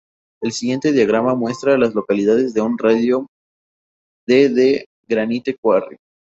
El siguiente diagrama muestra a las localidades en un radio de de Granite Quarry.